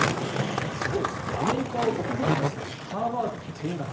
すごいですアメリカを訪れた際にハーバードを見学。